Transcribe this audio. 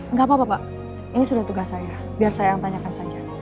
nggak apa apa pak ini sudah tugas saya biar saya yang tanyakan saja